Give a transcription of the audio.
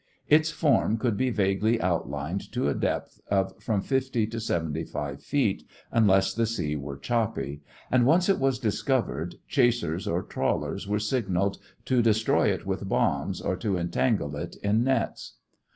Its form could be vaguely outlined to a depth of from fifty to seventy five feet, unless the sea were choppy, and once it was discovered, chasers or trawlers were signaled to destroy it with bombs or to entangle it in nets.